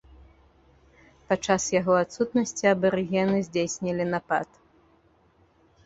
Падчас яго адсутнасці абарыгены здзейснілі напад.